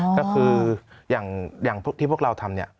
ก็คืออย่างที่พวกเราทำเนี่ย